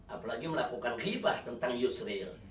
apalagi melakukan hibah tentang yusril